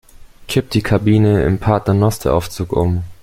Kippt die Kabine im Paternosteraufzug um?